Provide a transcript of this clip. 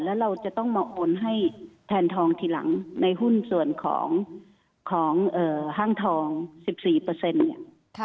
แล้วเราจะต้องมาโอนให้แทนทองทีหลังในหุ้นส่วนของห้างทองสิบสี่เปอร์เซ็นต์เนี่ย